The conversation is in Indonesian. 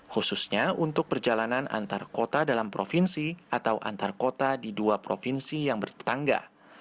khususnya untuk perjalanan antar kota dalam provinsi atau antar kota di dua provinsi yang bertetangga